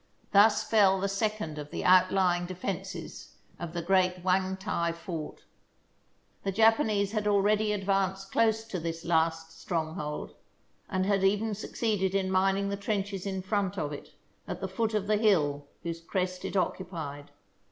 Thus fell the second of the outlying de fences of the great Wangtai fort. The Japanese had already advanced close to this last stronghold, and had even succeeded in mining the trenches in front of it, at the foot of the hill whose crest it occupied.